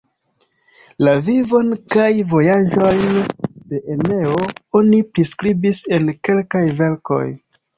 La vivon kaj vojaĝojn de Eneo oni priskribis en kelkaj verkoj.